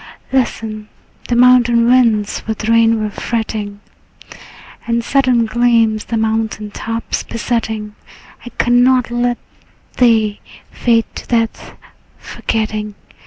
Listen: the mountain winds with rain were fretting, And sudden gleams the mountain tops besetting. I cannot let thee fade to death, forgetting.